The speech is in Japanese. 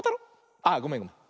あごめんごめん。